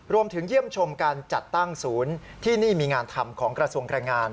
เยี่ยมชมการจัดตั้งศูนย์ที่นี่มีงานทำของกระทรวงแรงงาน